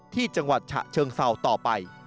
ที่จังหวัดฉะเชิงเศร้าต่อไป